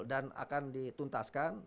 dan akan dituntaskan